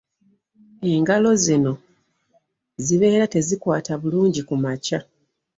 Engalo zino zibeera tezikwata bulungi kumakya.